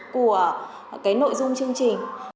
của cái nội dung chương trình